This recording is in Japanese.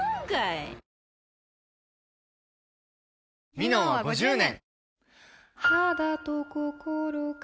「ミノン」は５０年！